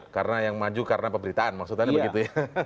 karena yang maju karena pemberitaan maksudnya begitu ya